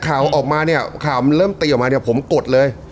ข่าวออกมาเนี่ยข่าวมันเริ่มตีออกมาเนี่ยผมกดเลย